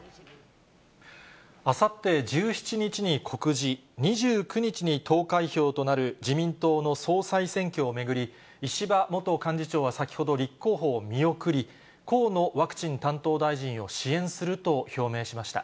あさって１７日に告示、２９日に投開票となる自民党の総裁選挙を巡り、石破元幹事長は先ほど、立候補を見送り、河野ワクチン担当大臣を支援すると表明しました。